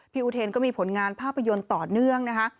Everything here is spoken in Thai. อุเทนก็มีผลงานภาพยนตร์ต่อเนื่องนะคะ